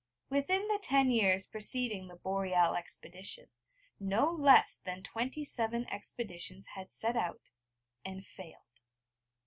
Within the ten years preceding the Boreal expedition, no less than twenty seven expeditions had set out, and failed.